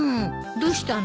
どうしたの？